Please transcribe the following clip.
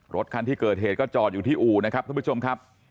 รถคันที่เกิดเหตุก็จอดอยู่ที่อู่นะครับท่านผู้ชมครับ